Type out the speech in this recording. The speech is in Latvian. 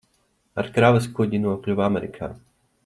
Ar kravas kuģi nokļuva Amerikā.